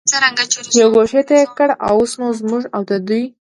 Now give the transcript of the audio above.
یوې ګوښې ته یې کړ، اوس نو زموږ او د دوی.